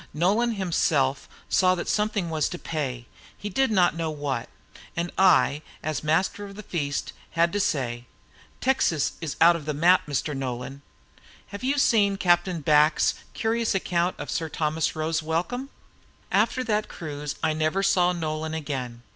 Nolan himself saw that something was to pay, he did not know what. And I, as master of the feast, had to say, "Texas is out of the map, Mr. Nolan. Have you seen Captain Back's curious account of Sir Thomas Roe's Welcome?" After that cruise I never saw Nolan again.